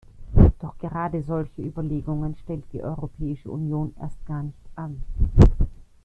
Doch gerade solche Überlegungen stellt die Europäische Union erst gar nicht an.